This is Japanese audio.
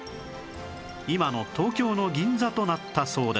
今の東京の銀座となったそうです